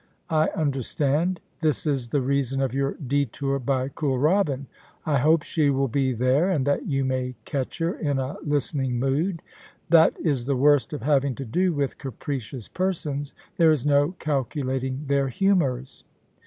I understand This is the reason of your detour by Kooralbyn. I hope she will be there, and that you may catch her in a listening mood That is the worst of having to do with capricious persons ; there is no calculating their humours.